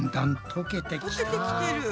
とけてきてる。